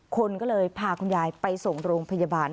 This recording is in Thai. คนก็เลยพาคุณยายไปส่งโรงพยาบาล